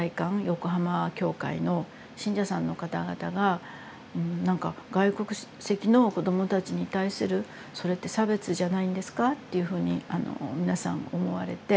横浜教会の信者さんの方々が「何か外国籍の子どもたちに対するそれって差別じゃないんですか」っていうふうにあの皆さん思われて。